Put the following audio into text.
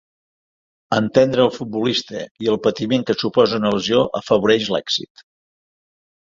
Entendre el futbolista i el patiment que suposa una lesió afavoreix l'èxit.